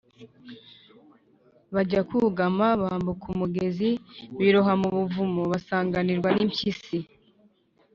bajya kugama , bambuka umugezi, biroha mu buvumo, basanganirwa n’impyisi